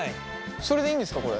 それでいいんですかこれ。